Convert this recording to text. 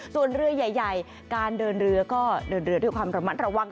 ส่วนเรือใหญ่การเดินเรือก็เดินเรือด้วยความระมัดระวัง